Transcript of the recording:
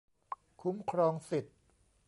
คุ้มครองสิทธิ์